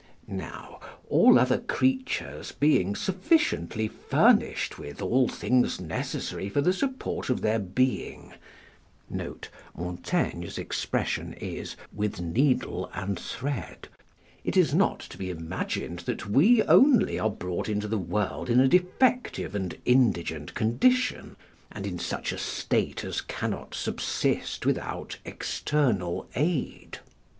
Now, all other creatures being sufficiently furnished with all things necessary for the support of their being [Montaigne's expression is, "with needle and thread." W.C.H.] it is not to be imagined that we only are brought into the world in a defective and indigent condition, and in such a state as cannot subsist without external aid.